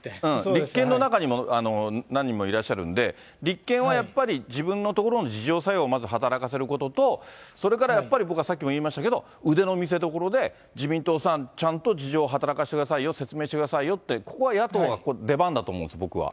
立憲の中にも、何人もいらっしゃるんで、立憲はやっぱり、自分のところの自浄作用をまず働かせることと、それからやっぱり僕はさっきも言いましたけど、腕の見せどころで、自民党さん、ちゃんと自浄を働かせてくださいよと、説明してくださいよって、ここは野党が出番だと思うんです、僕は。